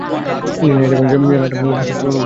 Lina Headey এবং Gemma Arterton অনুপস্থিত ছিলেন।